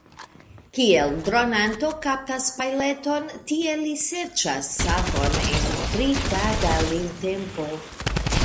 Kiel dronanto kaptas pajleton, tiel li serĉas savon en tritaga limtempo.